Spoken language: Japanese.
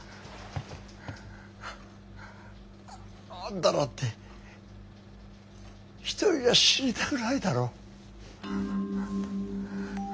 あんただって一人じゃ死にたくないだろ？